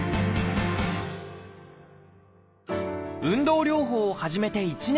運動療法を始めて１年。